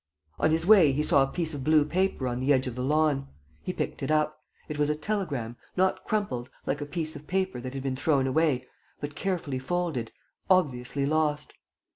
On his way, he saw a piece of blue paper on the edge of the lawn. He picked it up. It was a telegram, not crumpled, like a piece of paper that had been thrown away, but carefully folded: obviously lost.